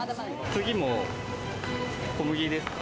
次も小麦ですか？